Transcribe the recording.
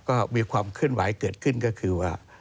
ก็มีความเคลื่อนไหวเกิดขึ้นก็คือว่า